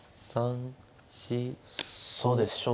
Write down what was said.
そうです。